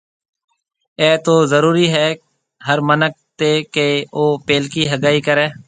اَي تو ضرُورِي هيَ هر مِنک تي ڪيَ او پيلڪِي هگائي ڪريَ۔